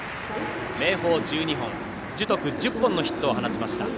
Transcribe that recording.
明豊、１２本樹徳は１０本のヒットを放ちました。